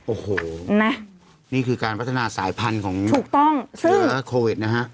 โอ้โหนี่คือการพัฒนาสายพันธุ์ของเชื้อโควิดนะคะ